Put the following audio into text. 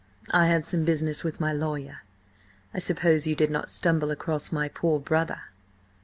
I had some business with my lawyer. I suppose you did not stumble across my poor brother?"